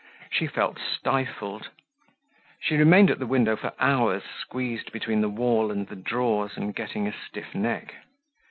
She felt stifled; she remained at the window for hours, squeezed between the wall and the drawers and getting a stiff neck.